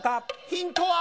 ヒントは。